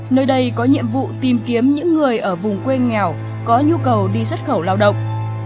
nơi đây có nhiệm vụ tìm kiếm những người ở vùng quê nghèo có nhu cầu đi xuất khẩu lao động